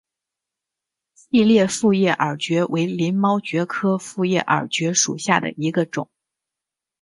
细裂复叶耳蕨为鳞毛蕨科复叶耳蕨属下的一个种。